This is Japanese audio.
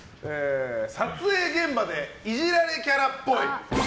撮影現場でイジられキャラっぽい。